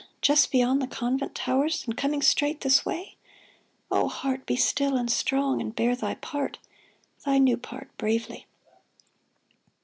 just beyond the convent towers, And coming straight this way ? O heart, Be still and strong, and bear thy part. Thy new part, bravely.